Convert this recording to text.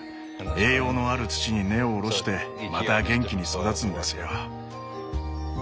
栄養のある土に根を下ろしてまた元気に育つんですよ。